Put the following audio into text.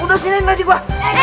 udah sini atik gua